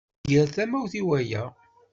Iger tamawt i waya.